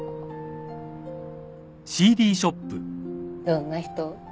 どんな人？